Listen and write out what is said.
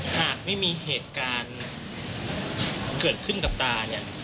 หากไม่มีเหตุการณ์เกิดขึ้นกับตาเนี่ย